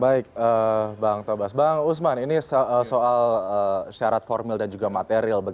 baik bang tobas bang usman ini soal syarat formil dan juga material